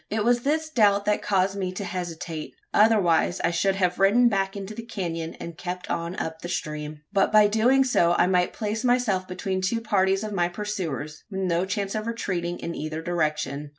It was this doubt that caused me to hesitate; otherwise I should have ridden back into the canon, and kept on up the stream. But by doing so I might place myself between two parties of my pursuers, with no chance of retreating in either direction.